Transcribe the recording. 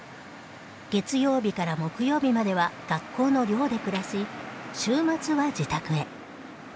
月曜日から木曜日までは学校の寮で暮らし週末は自宅へ。